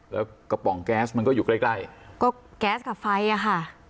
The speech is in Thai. แล้วกระป๋องแก๊สมันก็อยู่ใกล้ใกล้ก็แก๊สกับไฟอ่ะค่ะ